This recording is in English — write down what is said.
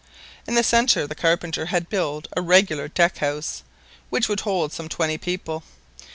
In the centre the carpenter had built a regular deck house, which would hold some twenty people.